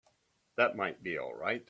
That might be all right.